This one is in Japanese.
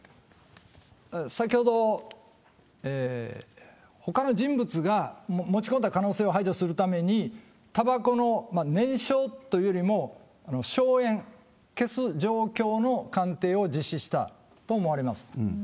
先ほどほかの人物が持ち込んだ可能性を排除するために、たばこの燃焼というよりも、硝煙、消す状況の鑑定を実施したと思われます。